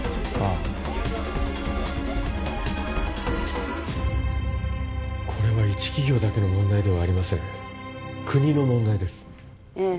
あこれは一企業だけの問題ではありません国の問題ですええ